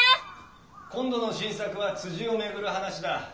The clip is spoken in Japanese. ・今度の新作は辻をめぐる話だ。